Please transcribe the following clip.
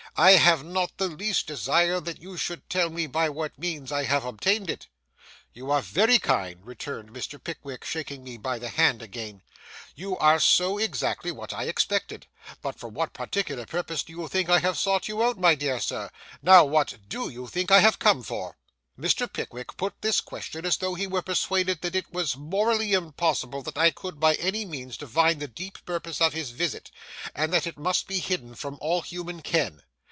I have not the least desire that you should tell me by what means I have obtained it.' 'You are very kind,' returned Mr. Pickwick, shaking me by the hand again; 'you are so exactly what I expected! But for what particular purpose do you think I have sought you, my dear sir? Now what do you think I have come for?' Mr. Pickwick put this question as though he were persuaded that it was morally impossible that I could by any means divine the deep purpose of his visit, and that it must be hidden from all human ken.